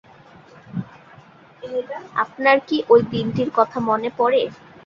আপনার কি ঐ দিনটির কথা মনে পড়ে?